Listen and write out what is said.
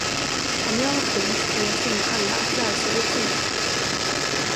Om jag var kung skulle jag tvinga alla att lära sig etik.